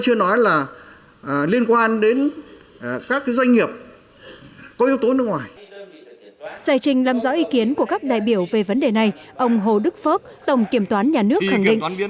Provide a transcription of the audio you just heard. xài trình làm rõ ý kiến của các đại biểu về vấn đề này ông hồ đức phước tổng kiểm toán nhà nước khẳng định